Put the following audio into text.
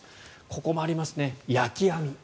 ここもありますね、焼き網。